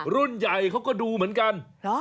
รุ่นใหญ่เขาก็ดูเหมือนกัน